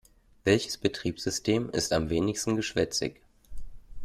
Welches Betriebssystem ist am wenigsten geschwätzig?